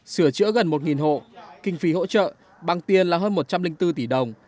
sửa chữa gần một hộ kinh phí hỗ trợ bằng tiền là hơn một trăm linh bốn tỷ đồng